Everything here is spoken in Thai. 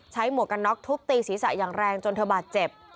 หมวกกันน็อกทุบตีศีรษะอย่างแรงจนเธอบาดเจ็บ